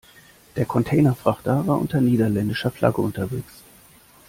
Der Containerfrachter war unter niederländischer Flagge unterwegs.